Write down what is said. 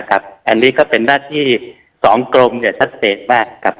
อันนี้ก็เป็นหน้าที่๒กรมชัดเจนมากครับ